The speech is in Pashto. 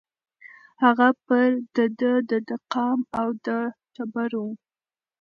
هغه پر د ده د قام او د ټبر وو